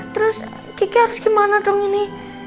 terus kiki harus gimana dong ini